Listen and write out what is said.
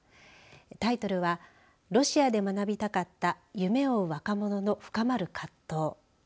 タイトルはロシアで学びたかった夢追う若者の深まる葛藤